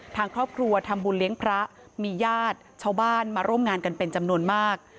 ทางครอบครัวทำบุญเลี้ยงพระมีญาติชาวบ้านมาร่วมงานกันเป็นจำนวนมาก